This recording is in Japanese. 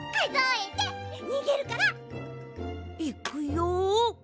いくよ？